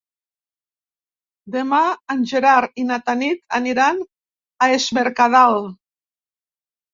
Demà en Gerard i na Tanit aniran a Es Mercadal.